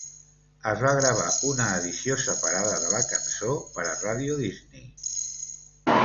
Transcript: Es va gravar una edició separada de la cançó per a Radio Disney.